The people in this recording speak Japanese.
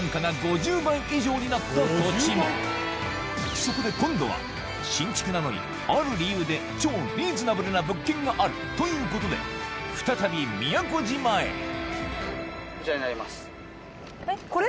そこで今度は新築なのにある理由で超リーズナブルな物件があるということで再び宮古島へこれ？